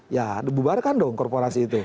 ya dibubarkan dong korporasi itu